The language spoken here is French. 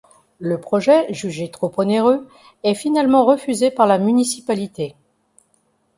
Le projet, jugé trop onéreux, est finalement refusé par la municipalité.